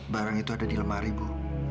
barang itu ada di lemari bu